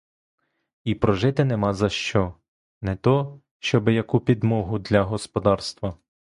І прожити нема за що, не то, щоби яку підмогу для господарства.